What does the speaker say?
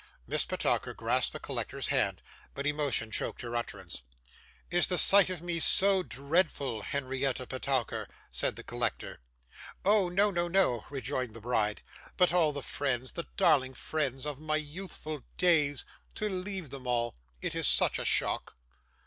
Miss Petowker grasped the collector's hand, but emotion choked her utterance. 'Is the sight of me so dreadful, Henrietta Petowker?' said the collector. 'Oh no, no, no,' rejoined the bride; 'but all the friends the darling friends of my youthful days to leave them all it is such a shock!